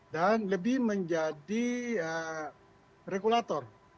dan lebih menjadi regulator